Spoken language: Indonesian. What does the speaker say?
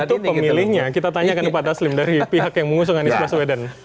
itu pemilihnya kita tanyakan ke pak taslim dari pihak yang mengusung anies baswedan